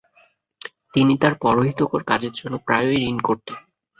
তিনি তাঁর পরহিতকর কাজের জন্য প্রায়ই ঋণ করতেন।